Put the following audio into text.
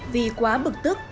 vì quá bực tức